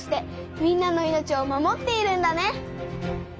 みんなの命を守っているんだね。